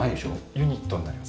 ユニットになります。